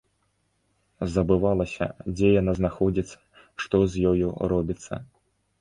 Забывалася, дзе яна знаходзіцца, што з ёю робіцца.